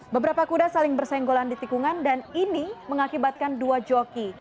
beberapa kuda saling bersenggolan di tikungan dan ini mengakibatkan dua joki